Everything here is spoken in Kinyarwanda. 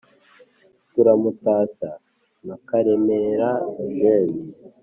turamutashya na karemera jean